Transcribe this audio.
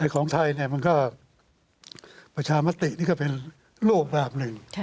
ของไทยมันก็ประชามตินี่ก็เป็นรูปแบบหนึ่ง